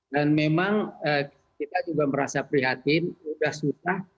dan memang kita juga merasa prihatin sudah susah